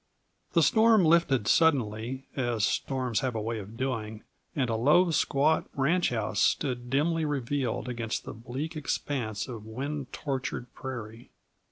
The storm lifted suddenly, as storms have a way of doing, and a low, squat ranch house stood dimly revealed against the bleak expanse of wind tortured prairie.